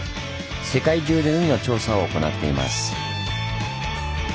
世界中で海の調査を行っています。